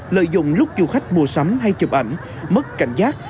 lợi dụng lúc du khách mua sắm hay chụp ảnh mất cảnh giác